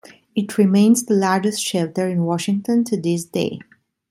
It remains the largest shelter in Washington to this day.